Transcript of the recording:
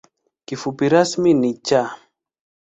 Kifupi rasmi ni ‘Cha’.